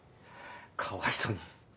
かわいそうに。